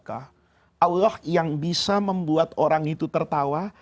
allah yang bisa membuat orang itu tertawa